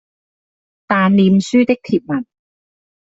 但臉書的貼文